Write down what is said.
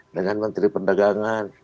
dengan menteri pendagangan